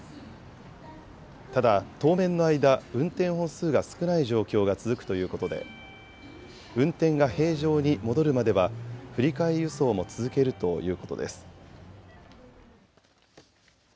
ただ当面の間、運転本数が少ない状況が続くということで運転が平常に戻るまでは振り替え輸送も続けるということです。